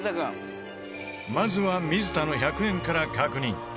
まずは水田の１００円から確認。